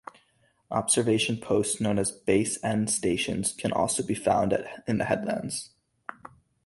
Observation posts known as base end stations can also be found in the Headlands.